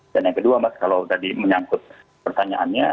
dan yang kedua mas kalau tadi menyangkut pertanyaannya